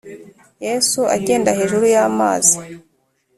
Yesu agenda hejuru y’amazi